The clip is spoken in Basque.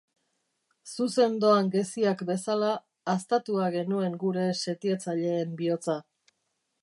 Zuzen doan geziak bezala, haztatua genuen gure setiatzaileen bihotza.